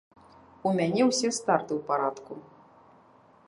У мяне ўсе старты ў парадку.